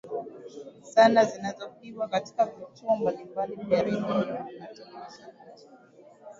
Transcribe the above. sanaa zinazopigwa katika vituo mbalimbali vya Redio na Televisheni nchini